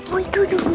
oh itu itu